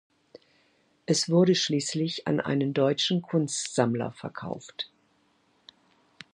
Es wurde schließlich an einen deutschen Kunstsammler verkauft.